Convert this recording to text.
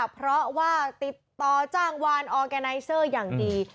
เพราะว่าติดต่อจั่งวานระชุมหนังอย่างดี